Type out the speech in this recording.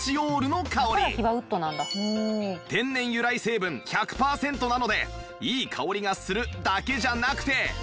天然由来成分１００パーセントなのでいい香りがするだけじゃなくて